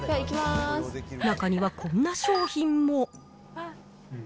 中にはこんな商品も。